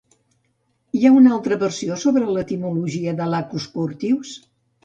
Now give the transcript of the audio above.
Hi ha una altra versió sobre l'etimologia de Lacus Curtius?